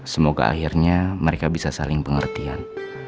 semoga akhirnya mereka bisa saling pengertian